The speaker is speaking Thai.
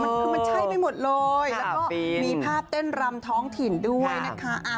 มันคือมันใช่ไปหมดเลยแล้วก็มีภาพเต้นรำท้องถิ่นด้วยนะคะ